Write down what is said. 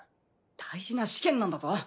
大事な試験なんだぞ。